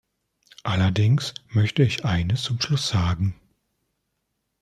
Allerdings möchte ich eines zum Schluss sagen.